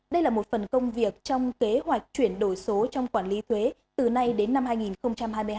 đây là một phần công việc trong kế hoạch chuyển đổi số trong quản lý thuế từ nay đến năm hai nghìn hai mươi hai